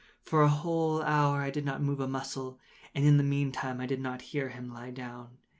For a whole hour I did not move a muscle, and in the meantime I did not hear him lie down.